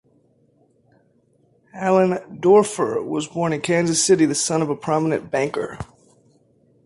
Allendoerfer was born in Kansas City, the son of a prominent banker.